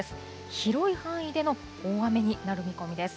広い範囲での大雨になる見込みです。